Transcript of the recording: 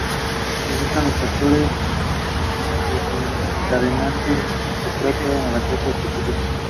The soundtracks of both the projects are separate.